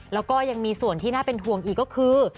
แล้วก็ยังมีส่วนที่น่าเป็นห่วงอีกก็คือ